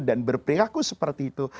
dan berpilaku seperti itu